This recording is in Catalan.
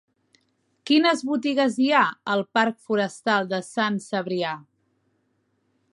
Quines botigues hi ha al parc Forestal de Sant Cebrià?